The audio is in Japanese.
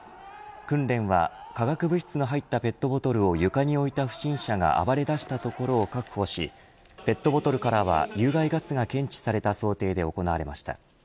訓練は化学物質の入ったペットボトルを床に置いた不審者が暴れ出したところを確保しペットボトルからは有害ガスが検知された想定で行われました。